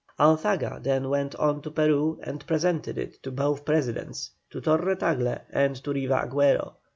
Alzaga then went on to Peru and presented it to both Presidents, to Torre Tagle and to Riva Agüero.